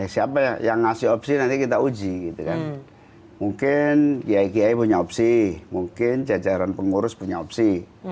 siapa ya yang ngasih opsi nanti kita uji mungkin giai giai punya opsi mungkin jajaran pengurus punya opsi